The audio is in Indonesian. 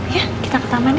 ya kita ke taman nih